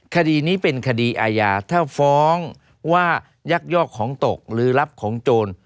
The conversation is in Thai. คดีนี้เป็นคดีอาญาถ้าฟ้องว่ายักยอกของตกหรือรับของโจร